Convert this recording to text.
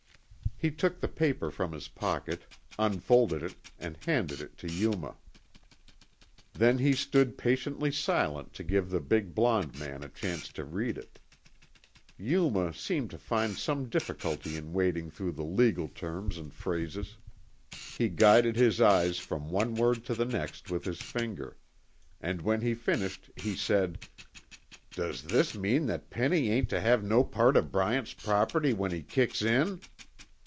He took the paper from his pocket, unfolded it, and handed it to Yuma. Then he stood patiently silent to give the big blond man a chance to read it. Yuma seemed to find some difficulty in wading through the legal terms and phrases. He guided his eyes from one word to the next with his finger, and when he finished he said, "Does this mean that Penny ain't tuh have no part o' Bryant's property when he kicks in?"